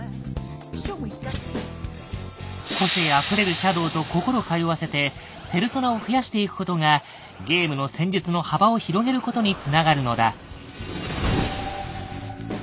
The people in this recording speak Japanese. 個性あふれるシャドウと心通わせてペルソナを増やしていくことがゲームの戦術の幅を広げることにつながるのだ。